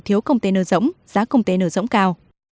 thiếu công tên ở rỗng giá công tên ở rỗng cao